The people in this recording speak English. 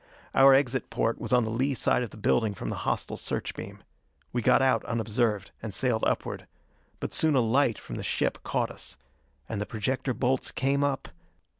Our exit porte was on the lee side of the building from the hostile search beam. We got out unobserved and sailed upward; but soon a light from the ship caught us. And the projector bolts came up....